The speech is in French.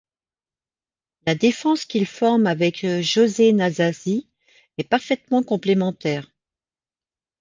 La défense qu'il forme avec José Nasazzi est parfaitement complémentaire.